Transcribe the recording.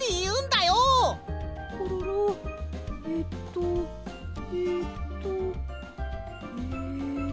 コロロえっとえっとえっと。